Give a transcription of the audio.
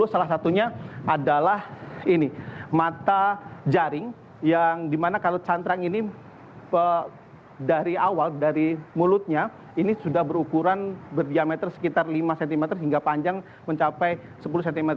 salah satunya adalah ini mata jaring yang dimana kalau cantrang ini dari awal dari mulutnya ini sudah berukuran berdiameter sekitar lima cm hingga panjang mencapai sepuluh cm